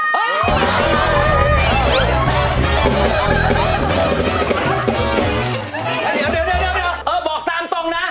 เดี๋ยวบอกตามตรงนะ